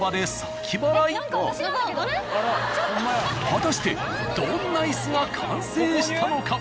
果たしてどんな椅子が完成したのか？